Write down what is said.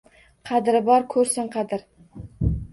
Qadri bor ko’rsin qadr.